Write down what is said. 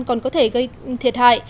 còn có thể gây thiệt hại